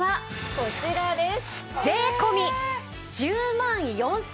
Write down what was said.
こちらです。